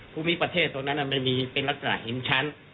ภูมิประเทศตรงนั้นเนี่ยมันมีเป็นนักศึกษาหิมชั้น